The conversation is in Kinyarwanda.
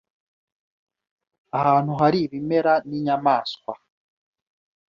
ahantu hari ibimera n’inyamaswa